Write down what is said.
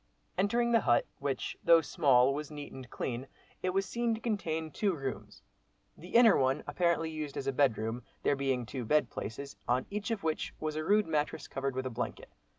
Entering the hut, which though small, was neat and clean; it was seen to contain two rooms, the inner one apparently used as a bedroom, there being two bed places, on each of which was a rude mattress covered with a blanket.